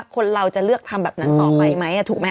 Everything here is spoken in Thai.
คนเราจะเลือกทำแบบนั้นต่อไปไหมถูกไหม